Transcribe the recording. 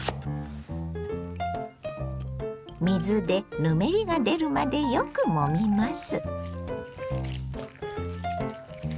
水でぬめりが出るまでよくもみます。